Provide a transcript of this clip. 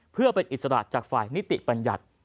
เพื่อเป็นอิสระจากฝ่ายนิติบัญญัติ